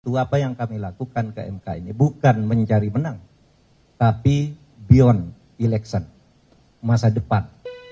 apa yang kami lakukan ke mk ini bukan mencari menang tapi beyond election masa depan